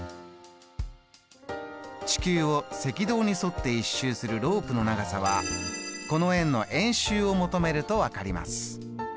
地球を赤道に沿って１周するロープの長さはこの円の円周を求めると分かります。